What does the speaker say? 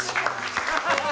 ハハハハ。